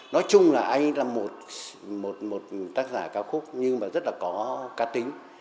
nói chung là anh là một tác giả cao khúc nhưng mà rất là có ca tính